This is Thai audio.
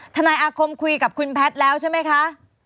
นายอาคมคุยกับคุณแพทย์แล้วใช่ไหมคะ